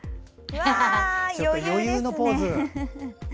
余裕のポーズ。